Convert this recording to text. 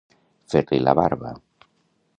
Fer-li la barba.